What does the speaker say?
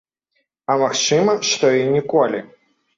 А магчыма, што і ніколі.